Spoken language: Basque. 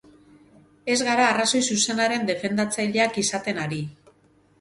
Ez gara arrazoi zuzenaren defendatzaileak izaten ari.